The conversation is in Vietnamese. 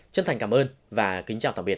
chân thành cảm ơn và kính chào tạm biệt